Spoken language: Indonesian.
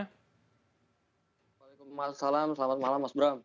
waalaikumsalam selamat malam mas bram